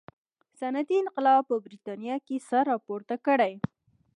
صنعتي انقلاب په برېټانیا کې سر راپورته کړي.